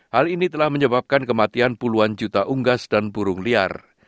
hal ini telah menyebabkan kematian puluhan juta unggas dan burung liar